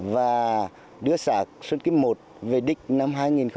và đưa xã sơn kim một về đích năm hai nghìn một mươi năm